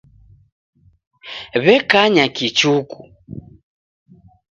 W'ekanya kichuku.